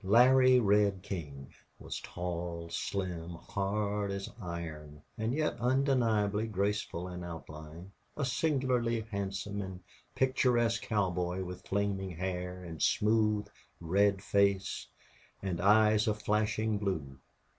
Larry Red King was tall, slim, hard as iron, and yet undeniably graceful in outline a singularly handsome and picturesque cowboy with flaming hair and smooth, red face and eyes of flashing blue.